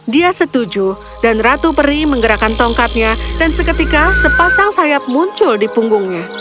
dia setuju dan ratu peri menggerakkan tongkatnya dan seketika sepasang sayap muncul di punggungnya